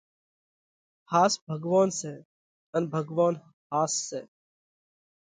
ۿاس ڀڳوونَ سئہ ان ڀڳوونَ ۿاس سئہ۔